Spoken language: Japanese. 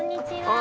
あ！